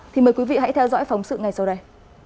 thì mời quý vị hãy theo dõi phóng sự ngay sau đây